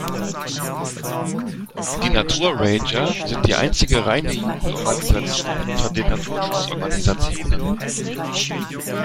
Die Natur-Ranger sind die einzige reine Jugendorganisation unter den Naturschutzorganisationen.